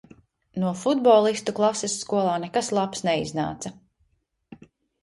No futbolistu klases skolā nekas labs neiznāca.